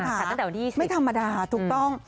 แต่ตั้งแต่วันที่๒๐ธันวาสไม่ธรรมดาถูกต้อง